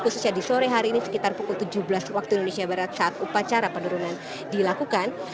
khususnya di sore hari ini sekitar pukul tujuh belas waktu indonesia barat saat upacara penurunan dilakukan